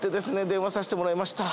電話させてもらいました。